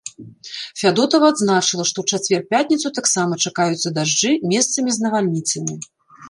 Фядотава адзначыла, што ў чацвер-пятніцу таксама чакаюцца дажджы, месцамі з навальніцамі.